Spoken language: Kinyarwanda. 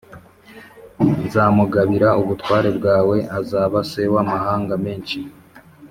nzamugabira ubutware bwawe azaba se w’amahanga menshi